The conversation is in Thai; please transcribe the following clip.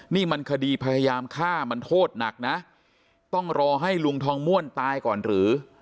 นี่มันคดีพยายามฆ่ามันโทษหนักนะต้องรอให้ลุงทองม่วนตายก่อนหรือ